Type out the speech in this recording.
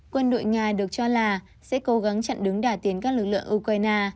quân đội nga được cho là sẽ cố gắng chặn đứng đả tiến các lực lượng ukraine